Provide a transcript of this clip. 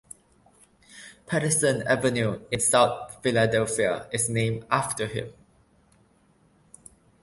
Pattison Avenue in South Philadelphia is named after him.